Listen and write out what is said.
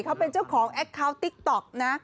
เขาเป็นเจ้าของแอคเคาน์ติ๊กต๊อกนะ